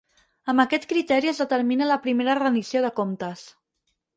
Amb aquest criteri es determina la primera rendició de comptes.